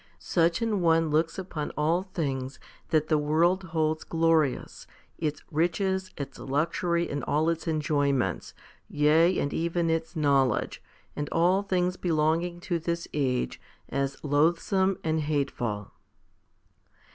2 Such an one looks upon all things that the world holds glorious, its riches, its luxury, and all its enjoyments yea, and even its knowledge and all things belonging to this age, as loathsome and hateful.